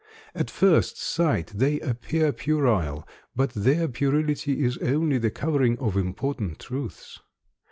At first sight they appear puerile; but their puerility is only the covering of important truths.